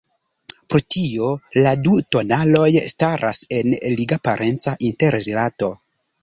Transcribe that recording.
Pro tio la du tonaloj staras en liga parenca interrilato.